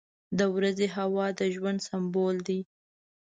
• د ورځې هوا د ژوند سمبول دی.